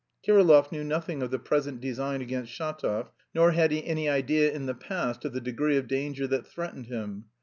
Kirillov knew nothing of the present design against Shatov, nor had he had any idea in the past of the degree of danger that threatened him.